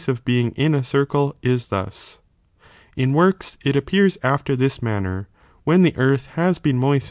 i of being in a circle is thus. In works it appears i ch^gedinio after this manner, when the earth has been moisl prem.